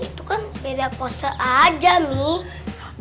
itu kan beda pose aja nih